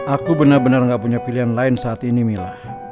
aku benar benar gak punya pilihan lain saat ini mila